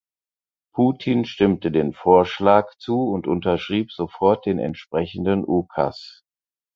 Putin stimmte dem Vorschlag zu und unterschrieb sofort den entsprechenden Ukas.